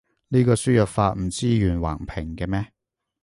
呢個輸入法唔支援橫屏嘅咩？